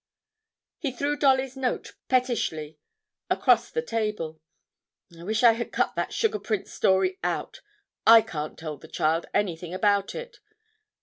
He threw Dolly's note pettishly across the table; 'I wish I had cut that sugar prince story out; I can't tell the child anything about it.